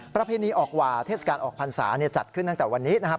ประเพณีออกหว่าเทศกาลออกพรรษาจัดขึ้นตั้งแต่วันนี้นะครับ